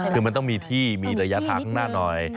คือมันต้องมีที่มีระยะทางข้างหน้าหน่อย